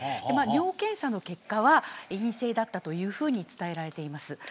尿検査の結果は陰性だったというふうに伝えられています。